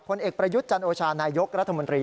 ผลเอกประยุทธ์จันโอชานายกรัฐมนตรี